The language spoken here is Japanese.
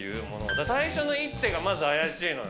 だって最初の一手がまず怪しいのよ。